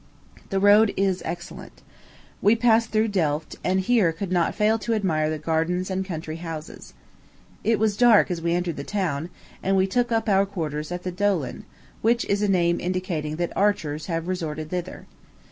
The road is excellent. We passed through Delft, and here we could not fail to admire the gardens and country houses. It was dark as we entered the town; and we took up our quarters at the Doelen, which is a name indicating that archers have resorted thither.